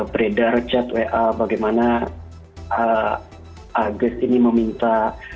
beredar jatwa bagaimana agis ini meminta